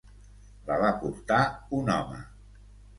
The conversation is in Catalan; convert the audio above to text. La va portar un home.